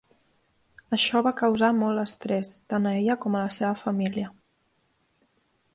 Això va causar molt estrès, tant a ella com a la seva família.